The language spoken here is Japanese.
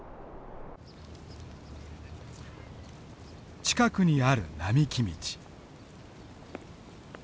近くにある並木道。